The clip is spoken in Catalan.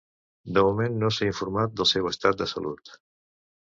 De moment, no s’ha informat del seu estat de salut.